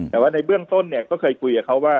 แต่ว่าในเบื้องต้นเนี่ยก็เคยคุยกับเขาว่า